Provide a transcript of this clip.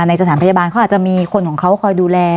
ในสถานพยาบาลเขาอาจจะมีคนของเขาคอยดูแล